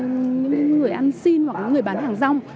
những người ăn xin hoặc những người bán hàng rong